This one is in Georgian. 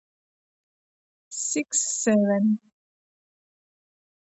six seven